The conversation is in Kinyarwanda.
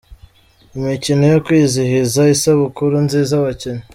Imikino yo kwizihiza isabukuru nziza abakinnyi